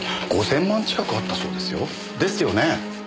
５千万近くあったそうですよ。ですよね？